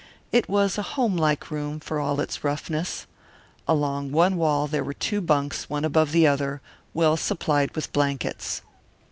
It was a home like room, for all its roughness. Along one wall were two bunks, one above the other, well supplied with blankets.